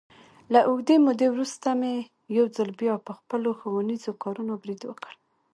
له اوږدې مودې ورسته مې یو ځل بیا، په خپلو ښوونیزو کارونو برید وکړ.